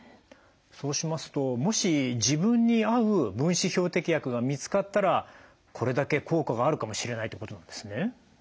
そうしますともし自分に合う分子標的薬が見つかったらこれだけ効果があるかもしれないってことなんですね？